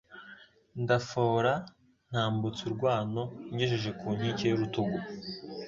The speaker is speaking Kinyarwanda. ndafora ntambutsa urwano, ngejeje ku nkike y'urutugu